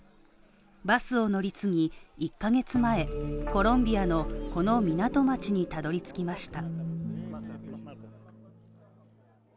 バスを乗り継ぎ、１ヶ月前コロンビアのこの港町にたどり着きました。